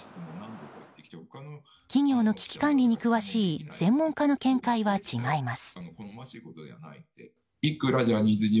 企業の危機管理に詳しい専門家の見解は違います。